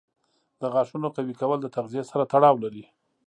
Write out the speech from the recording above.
د غاښونو قوي کول د تغذیې سره تړاو لري.